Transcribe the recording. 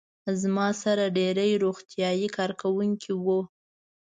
زما سره ډېری روغتیايي کارکوونکي وو.